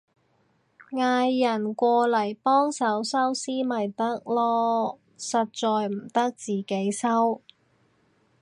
嗌人過嚟幫手收屍咪得囉，實在唔得自己收